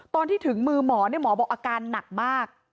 ตอนที่ถึงมือหมอหมอบอกอาการหนักมาก